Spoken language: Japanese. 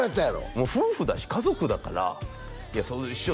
もう夫婦だし家族だから師匠